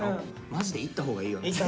マジで行ったほうがいいよな。